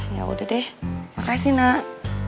yaudah deh makasih nak